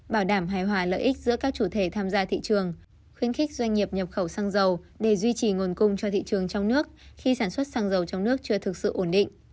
bảo đảm hài hòa lợi ích giữa các chủ thể tham gia thị trường khuyến khích doanh nghiệp nhập khẩu xăng dầu để duy trì nguồn cung cho thị trường trong nước khi sản xuất xăng dầu trong nước chưa thực sự ổn định